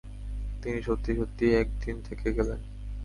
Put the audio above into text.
তিনি সত্যি-সত্যি এক দিন থেকে গেলেন।